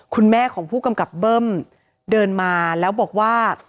คุณแม่ของผู้กำกับเบิ้มเดินมาแล้วบอกว่า